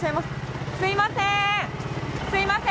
すみません。